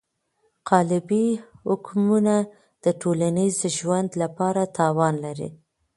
قالبي حکمونه د ټولنیز ژوند لپاره تاوان لري.